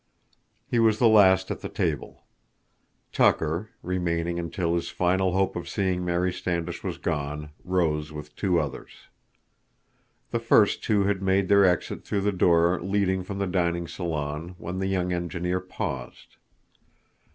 He was the last at the table. Tucker, remaining until his final hope of seeing Mary Standish was gone, rose with two others. The first two had made their exit through the door leading from the dining salon when the young engineer paused.